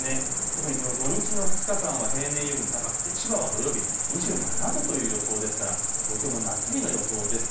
特に土日の２日間は平年よりも高くて千葉は土曜日２７度という予想ですから東京も夏日の予想です。